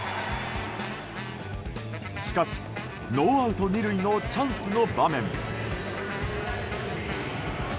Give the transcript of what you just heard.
しかし、ノーアウト２塁のチャンスの場面。